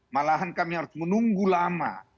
malahan kami harus menunggu lama